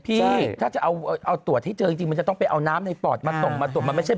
พี่ถ้าจะเอาตรวจให้เจอจริงมันจะต้องไปเอาน้ำในปอดมาส่งมาตรวจมันไม่ใช่